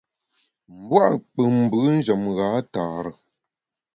Mbua’ nkpù mbù njem gha tare.